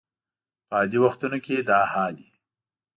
په عادي وختونو کې دا حال وي.